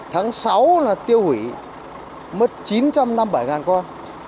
tháng sáu là tiêu hủy mất chín trăm năm mươi bảy con